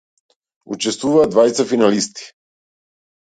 Учествуваат двајца финалисти.